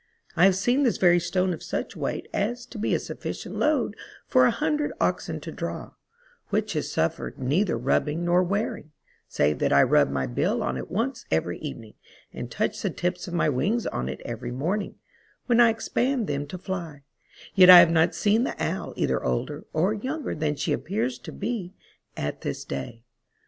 I have seen this very stone of such weight as to be a sufficient load for a hundred oxen to draw, which has suffered neither rubbing nor wearing, save that I rub my bill on it once every evening, and touch the tips of my wings on it every morning, when I expand them to fly ; yet I have not seen the Owl either older or younger than she appears to be at this day.